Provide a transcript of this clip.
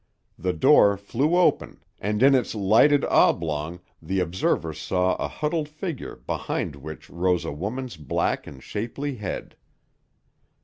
The door flew open and in its lighted oblong the observer saw a huddled figure behind which rose a woman's black and shapely head.